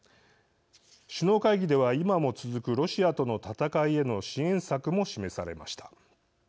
首脳会議では今も続くロシアとの戦いへの支援策も示されました。